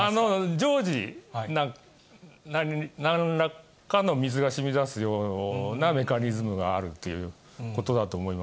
常時、なんらかの水がしみ出すようなメカニズムがあるということだと思